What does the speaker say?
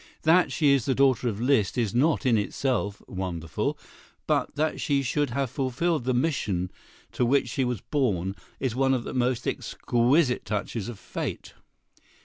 That she is the daughter of Liszt is not in itself wonderful, but that she should have fulfilled the mission to which she was born is one of the most exquisite touches of fate.